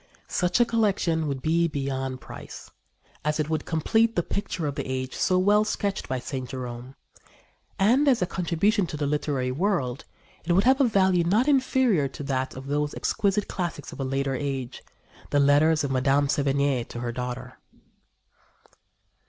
Such a collection would be beyond price, as it would complete the picture of the age so well sketched by St. Jerome; and, as a contribution to the literary world, it would have a value not inferior to that of those exquisite classics of a later age the letters of Madame Sevigné to her daughter.